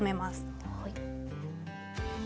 はい。